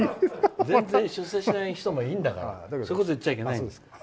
全然出世しない人もいるんだからそういうこと言っちゃいけないよ。